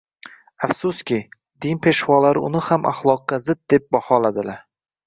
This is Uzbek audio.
Afsuski, din peshvolari uni ham axloqqa zid, deb baholadilar